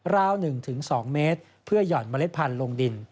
ราว๑๒เมตรเพื่อหย่อนเมล็ดพันธุ์ลงดิน